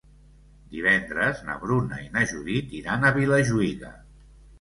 Divendres na Bruna i na Judit iran a Vilajuïga.